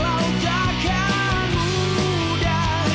udah gak ada steve